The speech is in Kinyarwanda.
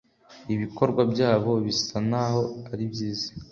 Ibikorwa byabo bisa n'aho ari byiza.